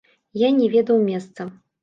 Я не ведаў месца.